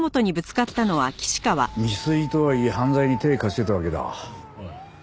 未遂とはいえ犯罪に手貸してたわけだ。